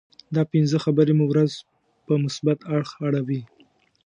دا پنځه خبرې مو ورځ په مثبت اړخ اړوي.